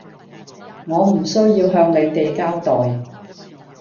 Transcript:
我唔需要向你哋交代